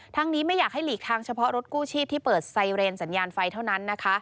นี้ไม่อยากให้หลีกทางเฉพาะรถกู้ชีพที่เปิดไซเรนสัญญาณไฟเท่านั้นนะคะ